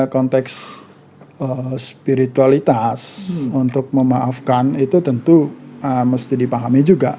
konteks spiritualitas untuk memaafkan itu tentu mesti dipahami juga